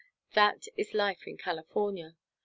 That is life in California.